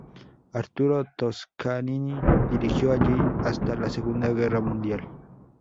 Arturo Toscanini dirigió allí hasta la Segunda Guerra Mundial.